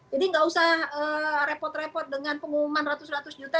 jadi tidak usah repot repot dengan pengumuman ratus ratus juta